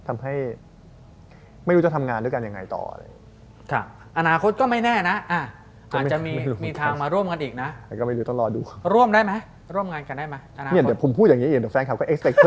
ไม่รู้จะทำงานด้วยกันยังไงต่อ